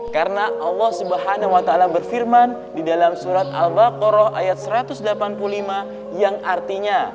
karena allah subhanahu wa ta'ala berfirman di dalam surat al baqarah ayat satu ratus delapan puluh lima yang artinya